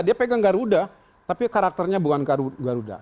dia pegang garuda tapi karakternya bukan garuda